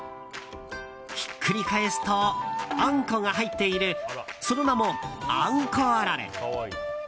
ひっくり返すとあんこが入っているその名も、あんこあられ。